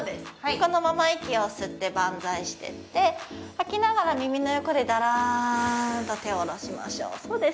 このまま息を吸ってバンザイしてって吐きながら耳の横でダラーンと手を下ろしましょうそうです